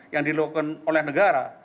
yang dilakukan oleh negara